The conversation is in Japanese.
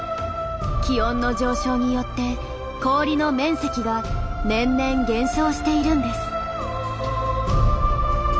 気温の上昇によって氷の面積が年々減少しているんです。